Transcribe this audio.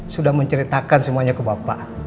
sudah menceritakan semuanya ke bapak